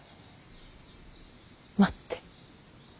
待って。